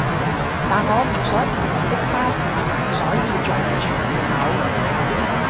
但我唔想同人逼巴士所以仲未出門口